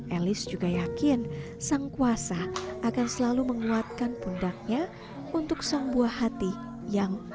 elis juga yakin sang kuasa akan selalu menguatkan pundaknya untuk sang buah hati yang